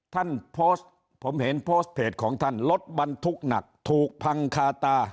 ท่านโพสต์ผมเห็นโพสต์เพจของท่านรถบรรทุกหนักถูกพังคาตา